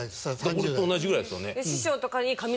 僕と同じぐらいですよね。